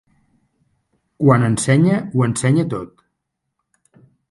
Quan ensenya, ho ensenya tot.